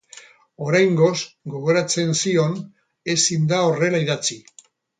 Oraingoz, gogoratzen zion, ezin da horrela idatzi.